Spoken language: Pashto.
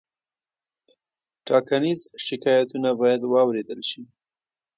ټاکنیز شکایتونه باید واوریدل شي.